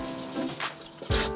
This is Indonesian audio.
masih gue bulat berodoh aja